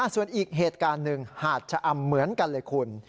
ส่วนอีกเหตุการณ์หนึ่งหาดชะอำเหมือนกันเลยคุณ